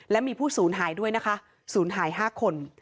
และมีผู้สูญหายด้วยนะคะศูนย์หาย๕คน